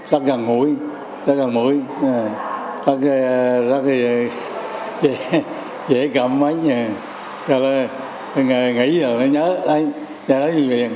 rất là ngủi rất là ngủi rất là dễ cầm mấy nghỉ rồi mới nhớ